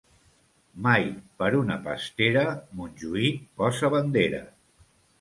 Mai, per una pastera, Montjuïc posa bandera.